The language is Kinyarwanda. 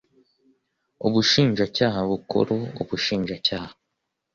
ubushinjacyaha bukuru ubushinjacyaha